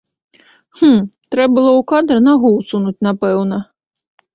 Хм, трэ было ў кадр нагу ўсунуць, напэўна.